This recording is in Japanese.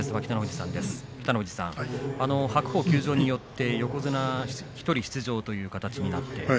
北の富士さん、白鵬休場によって横綱１人出場ということになりました。